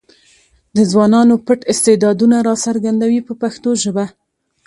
د ځوانانو پټ استعدادونه راڅرګندوي په پښتو ژبه.